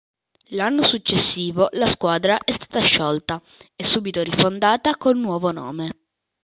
L'anno successivo la squadra è stata sciolta e subito rifondata col nuovo nome.